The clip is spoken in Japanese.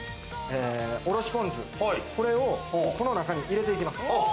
おろしぽん酢、これをこの中に入れていきます。